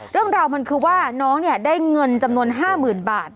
เรื่องราวมันคือว่าน้องเนี่ยได้เงินจำนวน๕๐๐๐บาท